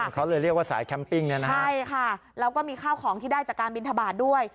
เขาเลยเรียกว่าสายแคมปิ้งแล้วก็มีข้าวของที่ได้จากการบินทบาทด้วย